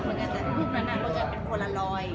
หลูกนั้นรูปหน้าหน้ารูปกัดพอล่าลอย